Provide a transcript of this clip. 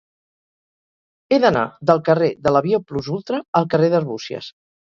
He d'anar del carrer de l'Avió Plus Ultra al carrer d'Arbúcies.